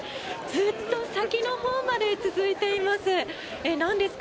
ずっと先のほうまで続いています。